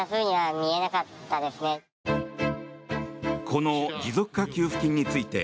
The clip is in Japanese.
この持続化給付金について